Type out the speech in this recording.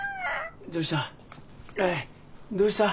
どうした？